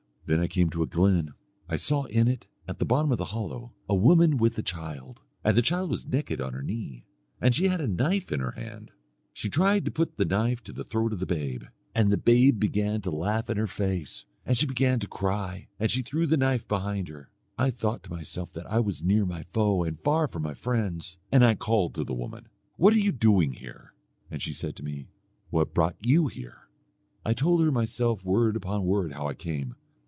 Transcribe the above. Then I came to a glen; I saw in it, at the bottom of a hollow, a woman with a child, and the child was naked on her knee, and she had a knife in her hand. She tried to put the knife to the throat of the babe, and the babe began to laugh in her face, and she began to cry, and she threw the knife behind her. I thought to myself that I was near my foe and far from my friends, and I called to the woman, 'What are you doing here?' And she said to me 'What brought you here?' I told her myself word upon word how I came.